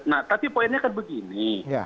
nah tapi poinnya kan begini